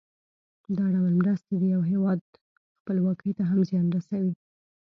دا ډول مرستې د یو هېواد خپلواکۍ ته هم زیان رسوي.